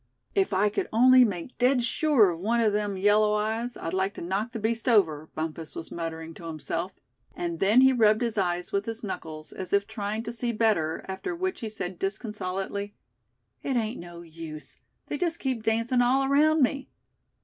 "If I could only make dead sure of one of them yellow eyes, I'd like to knock the beast over," Bumpus was muttering to himself; and then he rubbed his eyes with his knuckles, as if trying to see better, after which he said disconsolately: "It ain't no use, they just keep dancin' all around me.